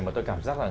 mà tôi cảm giác là